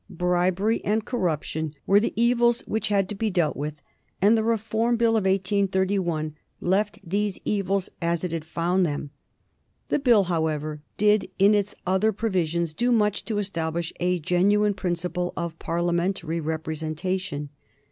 Bribery and corruption were the evils which had to be dealt with, and the Reform Bill of 1831 left these evils as it had found them. The Bill, however, did, in its other provisions, do much to establish a genuine principle of Parliamentary representation.